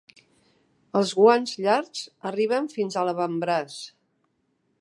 Els guants llargs arriben fins a l'avantbraç.